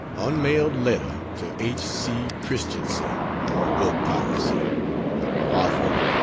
Unmailed Letter to H. C. Christiancy, on book Piracy: HARTFORD, Dec.